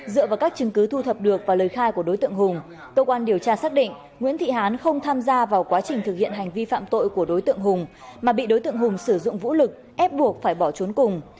dựa vào các chứng cứ thu thập được và lời khai của đối tượng hùng cơ quan điều tra xác định nguyễn thị hán không tham gia vào quá trình thực hiện hành vi phạm tội của đối tượng hùng mà bị đối tượng hùng sử dụng vũ lực ép buộc phải bỏ trốn cùng